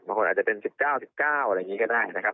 อาจจะเป็น๑๙๑๙อะไรอย่างนี้ก็ได้นะครับ